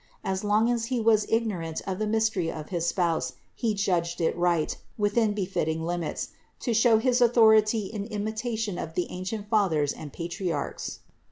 As long as he was ignorant of the mystery of his Spouse he judged it right, within befitting limits, to show his authority in imitation of the ancient Fathers and Patri archs.